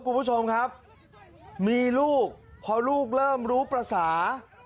คุณผู้ชมครับมีลูกพอลูกเริ่มรู้ภาษา